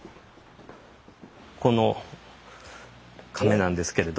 この甕なんですけれど。